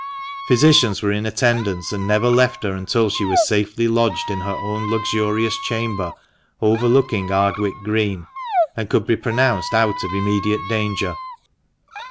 Physicians were in attendance, and never left her until she was safely lodged in her own luxurious chamber, overlooking Ardwick Green, and could be pronounced out of immediate danger.